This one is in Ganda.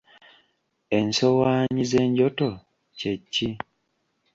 Ensowaanyi z'enjoto kye kki?